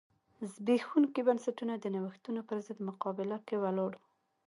زبېښونکي بنسټونه د نوښتونو پرضد مقابله کې ولاړ و.